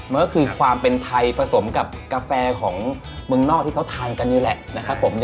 มันก็คือความเป็นไทยผสมกับกาแฟของเมืองนอกที่เขาทานกันนี่แหละนะครับผม